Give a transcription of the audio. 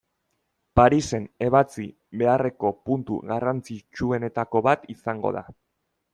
Parisen ebatzi beharreko puntu garrantzitsuenetako bat izango da.